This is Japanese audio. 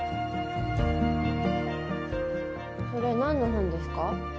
それなんの本ですか？